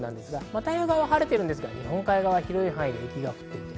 太平洋側は晴れていますが、日本海側は広い範囲で雪が降っています。